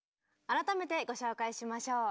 改めてご紹介しましょう。